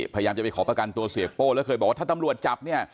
พยายามจะไปขอประกันตัวเสียโป้แล้วเคยบอกว่าถ้าตำรวจจับเนี่ย